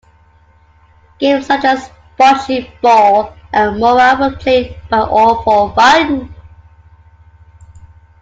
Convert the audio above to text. Games such as bocce ball and morra were played by all for fun.